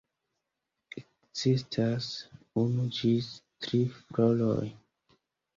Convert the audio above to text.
Ekzistas unu ĝis tri floroj.